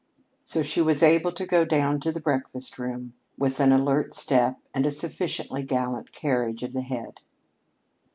So she was able to go down to the breakfast room with an alert step and a sufficiently gallant carriage of the head.